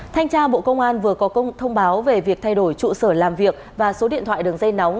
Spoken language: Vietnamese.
thanh tra bộ công an vừa có công báo về việc thay đổi trụ sở làm việc và số điện thoại đường dây nóng